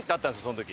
その時。